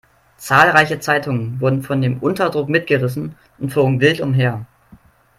Zahlreiche Zeitungen wurden von dem Unterdruck mitgerissen und flogen wild umher.